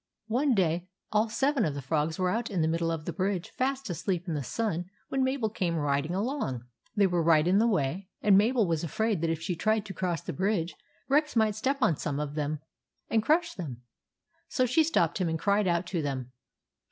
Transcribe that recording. One day all seven of the frogs were out in the middle of the bridge fast asleep in the sun when Mabel came riding along. They were right THE FROGS AT THE BRIDGE 33 in the way, and Mabel was afraid that if she tried to cross the bridge Rex might step on some of them and crush them. So she stopped him and cried out to them.